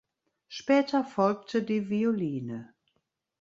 Später folgte die Violine.